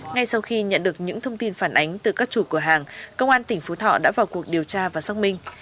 ngay sau khi nhận được những thông tin phản ánh từ các chủ cửa hàng công an tỉnh phú thọ đã vào cuộc điều tra và xác minh